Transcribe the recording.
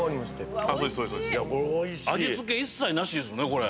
味付け一切なしですね。